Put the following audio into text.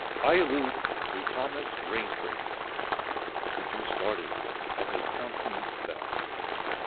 I allude to Thomas Rainford." The Jew started, and his countenance fell.